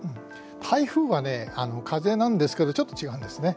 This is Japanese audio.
台風はね風なんですけどちょっと違うんですね。